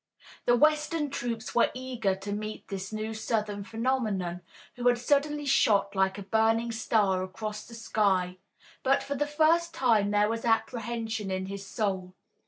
The western troops were eager to meet this new Southern phenomenon who had suddenly shot like a burning star across the sky, but for the first time there was apprehension in his soul.